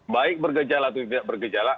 baik bergejala atau tidak bergejala